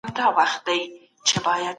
د ملکيت حق په شريعت کي روښانه دی.